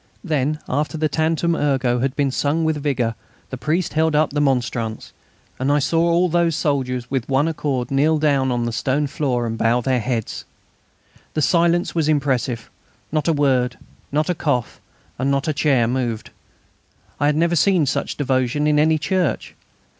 Then, after the Tantum ergo had been sung with vigour, the priest held up the monstrance, and I saw all those soldiers with one accord kneel down on the stone floor and bow their heads. The silence was impressive; not a word, not a cough, and not a chair moved. I had never seen such devotion in any church.